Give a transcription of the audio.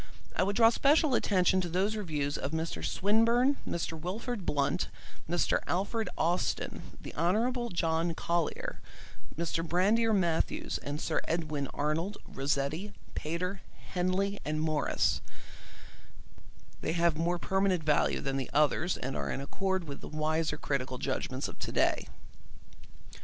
I would draw special attention to those reviews of Mr. Swinburne, Mr. Wilfrid Blunt, Mr. Alfred Austin, the Hon. John Collier, Mr. Brander Matthews and Sir Edwin Arnold, Rossetti, Pater, Henley and Morris; they have more permanent value than the others, and are in accord with the wiser critical judgments of to day.